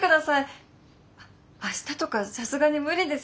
あっ明日とかさすがに無理ですよね？